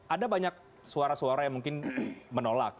ada banyak suara suara yang mungkin menolak